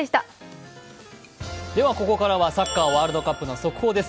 ここからはサッカーワールドカップの速報です。